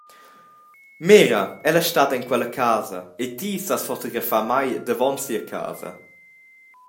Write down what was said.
Mira, ella stat en quella casa e ti sas fotografar mei davon sia casa.